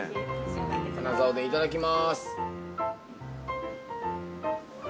金沢おでんいただきます。